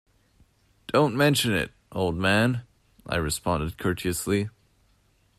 "Don't mention it, old man," I responded courteously.